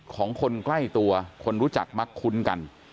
ของคนใกล้ตัวคนรู้จักมักคุ้นกัน